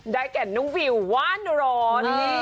แก่น้องวิวว่านร้อน